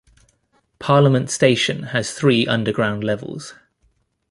Parliament station has three underground levels.